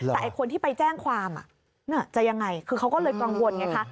แต่คนที่ไปแจ้งความจะยังไงคือเขาก็เลยกังวลไงคะ